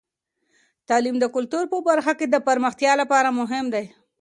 تعلیم د کلتور په برخه کې د پرمختیا لپاره مهم دی.